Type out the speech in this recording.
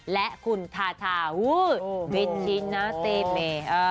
และคุณทาทาฮูวิชินาซิเม